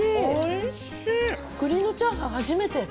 くりのチャーハン初めて。